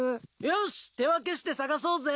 よし手分けして探そうぜ。